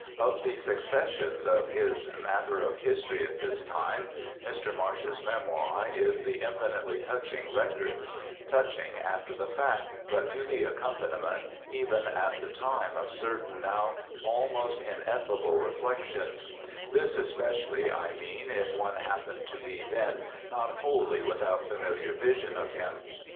Of the successions of his matter of history at this time Mr Marsh's memoir is the infinitely touching record touching after the fact, but to the accompaniment even at the time of certain now almost ineffable reflections; this especially, I mean, if one happened to be then not wholly without familiar vision of him.